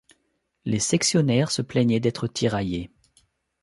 Les sectionnaires se plaignaient d’être tiraillés.